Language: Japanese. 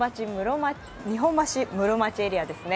日本橋室町エリアですね。